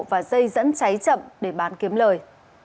và dây dẫn cháy chậm để bán kiếm lời